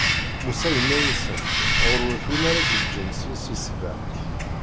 Musa yenna-asen: ɣur-wat win ara d-iǧǧen seg-s i ṣṣbeḥ.